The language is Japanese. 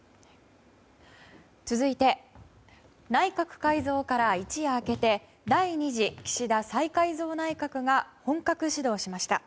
続いて、内閣改造から一夜明けて第２次岸田再改造内閣が本格始動しました。